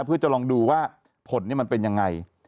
เพื่อจะลองดูว่าผลนี่มันเป็นยังไง